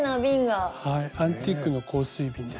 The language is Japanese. アンティークの香水瓶です。